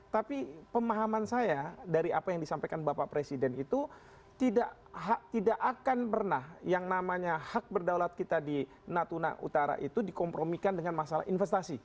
tapi pemahaman saya dari apa yang disampaikan bapak presiden itu tidak akan pernah yang namanya hak berdaulat kita di natuna utara itu dikompromikan dengan masalah investasi